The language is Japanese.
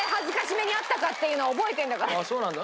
あっそうなんだ。